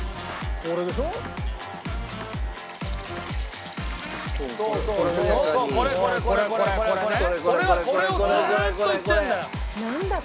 俺はこれをずーっと言ってるんだよ。